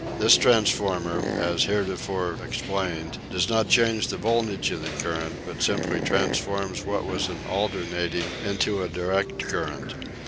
This transformer, as heretofore explained, does not change the voltage of the current, but simply transforms what was an alternating into a direct current.